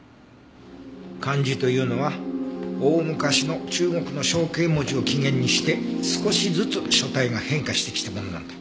漢字というのは大昔の中国の象形文字を起源にして少しずつ書体が変化してきたものなんだ。